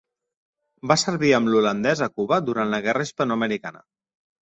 Va servir amb l'Holandès a Cuba durant la guerra hispanoamericana.